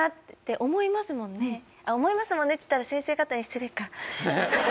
「思いますもんね」って言ったら先生方に失礼か。